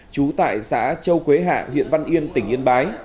trú tại xã châu quế hạ huyện văn yên tỉnh yên bái